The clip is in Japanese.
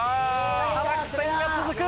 ただ苦戦が続く！